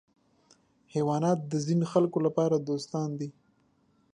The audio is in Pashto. حیوانات د ځینو خلکو لپاره دوستان دي.